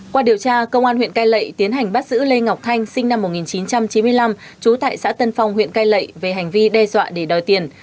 qua điều tra công an huyện cai lệ tiến hành bắt giữ lê ngọc thanh sinh năm một nghìn chín trăm chín mươi năm trú tại xã tân phong huyện cai lệ về hành vi đe dọa để đòi tiền